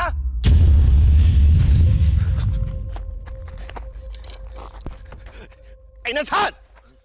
ไอ้นาชาธิ์